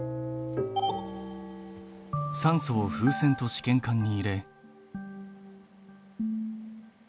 酸素を風船と試験管に入れ。